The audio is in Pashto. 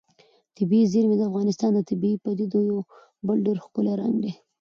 طبیعي زیرمې د افغانستان د طبیعي پدیدو یو بل ډېر ښکلی رنګ دی.